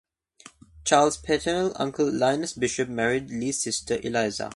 Charles' paternal uncle Linus Bishop married Lee's sister Eliza.